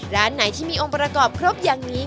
ร้านไหนที่มีองค์ประกอบครบอย่างนี้